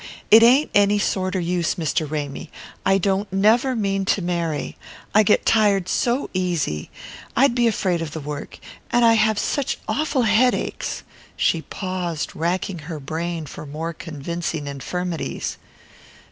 It ain't any sorter use, Mr. Ramy. I don't never mean to marry. I get tired so easily I'd be afraid of the work. And I have such awful headaches." She paused, racking her brain for more convincing infirmities.